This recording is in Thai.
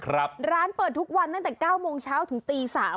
ร้านเปิดทุกวันตั้งแต่เก้าโมงเช้าถึงตีสาม